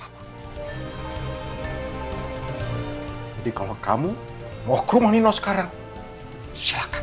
kalau kamu mau krumah nino sekarang silakan